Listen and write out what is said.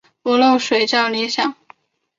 不漏水较理想。